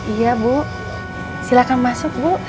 iya bu silakan masuk bu